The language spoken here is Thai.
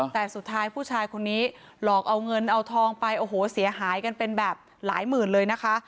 แต่สุดท้ายผู้ชายคนนี้หลอกเอาเงินเอาทองไปโอ้โหเสียหายกันเป็นแบบหลายหมื่นเลยนะคะ